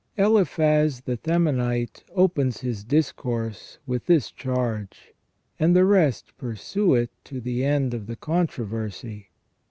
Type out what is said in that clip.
Eliphaz the Themanite opens his discourse with this charge, and the rest pursue it to the end of the controversy.